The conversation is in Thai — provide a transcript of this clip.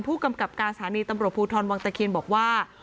ผู้กำกับการสถานีตำรวจภูทรวังตะเคียนบอกว่า